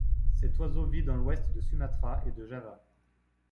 Cet oiseau vit dans l'ouest de Sumatra et de Java.